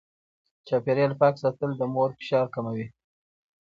چاپېريال پاک ساتل د مور فشار کموي.